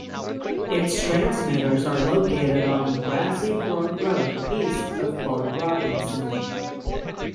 Its transmitters are located on Grassy Brook Road east of Port Robinson.